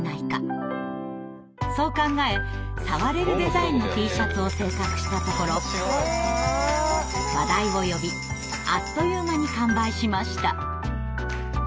そう考え触れるデザインのＴシャツを制作したところ話題を呼びあっという間に完売しました。